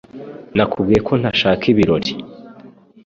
Nakubwiye ko ntashaka ibirori